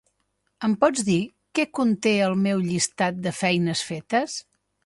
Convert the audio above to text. Em pots dir què conté el meu llistat de feines fetes?